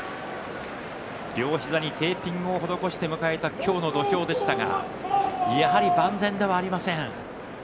両膝にテーピングを施して迎えた今日の土俵でしたがやはり万全ではありません。